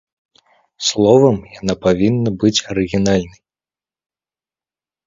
Словам, яна павінна быць арыгінальнай.